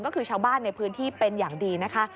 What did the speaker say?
ก็คือชาวบ้านในพื้นที่เป็นอย่างดีนะคะ